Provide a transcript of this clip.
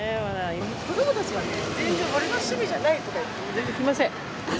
子どもたちはね、全然俺の趣味じゃないとか言って、全然着ません。